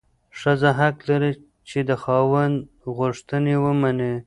ښځه حق لري چې د خاوند غوښتنې ومني.